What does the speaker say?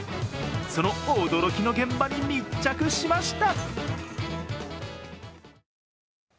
その驚きの現場に密着しました。